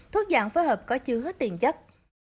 thuốc dạng phối hợp có chứa hết điện chất